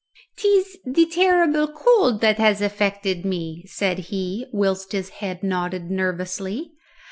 "'Tis the terrible cold that has affected me," said he, whilst his head nodded nervously.